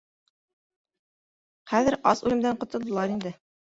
Хәҙер ас үлемдән ҡотолдолар инде.